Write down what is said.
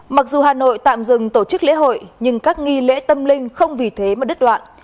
mặc dù hà nội tạm dừng tổ chức lễ hội nhưng các nghi lễ tâm linh không vì thế mà đứt đoạn